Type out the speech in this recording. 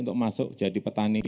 untuk masuk jadi petani